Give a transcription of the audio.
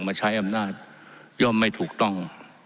มาใช้อำนาจย่อมไม่ถูกต้อง